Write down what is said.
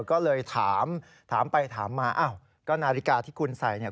ก็เลยถามถามไปถามมาอ้าวก็นาฬิกาที่คุณใส่เนี่ย